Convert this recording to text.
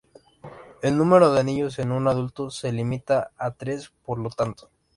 El número de anillos en un adulto se limita a tres por lo tanto.